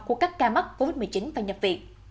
của các ca mắc covid một mươi chín và nhập viện